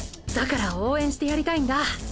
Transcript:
だから応援してやりたいんだ。